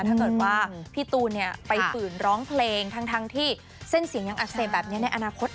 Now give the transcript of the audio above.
ถ้าเกิดว่าพี่ตูนไปฝืนร้องเพลงทั้งที่เส้นเสียงยังอักเสบแบบนี้ในอนาคต